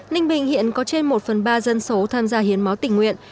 ninh bình hiện có trên một phần ba dân số tham gia hiến máu tỉnh nguyện